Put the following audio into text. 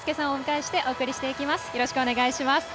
よろしくお願いします。